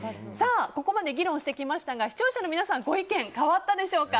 ここまで議論してきましたが視聴者の皆さんご意見変わったでしょうか。